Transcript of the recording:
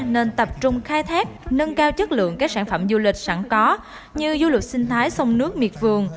nên tập trung khai thác nâng cao chất lượng các sản phẩm du lịch sẵn có như du lịch sinh thái sông nước miệt vườn